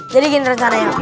jadi gini rencananya